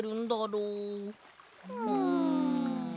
うん。